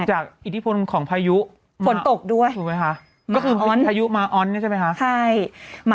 จากอิทธิพลของพายุฝนตกด้วยถูกไหมค่ะก็คือพายุมะอ้อนใช่ไหมค่ะ